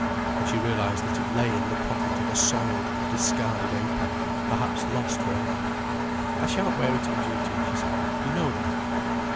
And she realized that it lay in the pocket of a soiled, discarded apron—perhaps lost for ever. "I shan't wear it on duty," she said. "You know that."